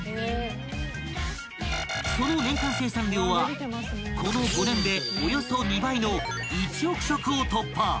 ［その年間生産量はこの５年でおよそ２倍の］